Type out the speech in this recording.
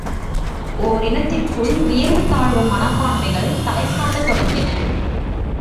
ஓரினத்திற்குள் உயர்வு தாழ்வு மனப்பான்மைகள் தலைகாட்டத் தொடங்கின.